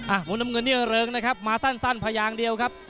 มุมน้ำเงินนี่เริงนะครับมาสั้นพยางเดียวครับ